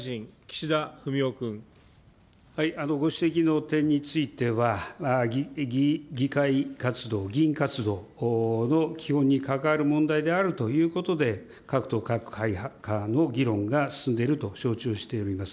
ご指摘の点については、議会活動、議員活動の基本に関わる問題であるということで、各党、各会派の議論が進んでいると承知をしております。